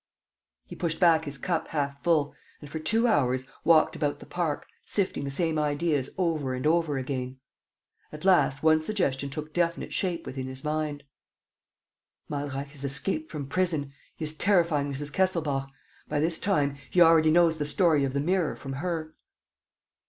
He pushed back his cup half full and, for two hours, walked about the park, sifting the same ideas over and over again. At last, one suggestion took definite shape within his mind: "Malreich has escaped from prison. He is terrifying Mrs. Kesselbach. By this time, he already knows the story of the mirror from her.